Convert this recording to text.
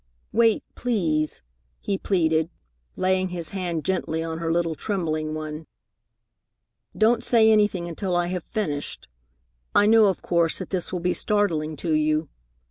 "Wait, please," he pleaded, laying his hand gently on her little, trembling one. "Don't say anything until I have finished. I know of course that this will be startling to you.